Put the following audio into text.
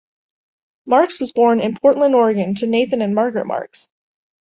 Marks was born in Portland, Oregon to Nathan and Margaret Marks.